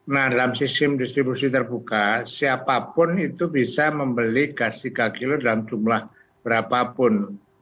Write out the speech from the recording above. nah dalam sistem distribusi terbuka siapapun itu bisa membeli gas tiga kg dalam jumlah berapapun